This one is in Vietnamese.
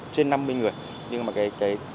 trên năm mươi người nhưng mà cái